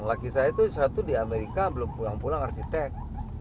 dan laki saya itu satu di amerika belum pulang pulang harus ditolak